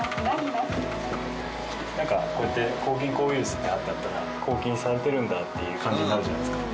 なんかこうやって「抗菌抗ウイルス」って貼ってあったら抗菌されてるんだっていう感じになるじゃないですか。